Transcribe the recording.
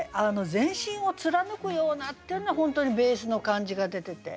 「全身を貫くような」っていうのが本当にベースの感じが出てて